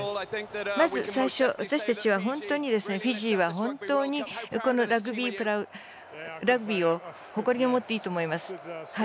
まず、最初私たちは本当にフィジーはこのラグビーを誇りに思っていいと思います。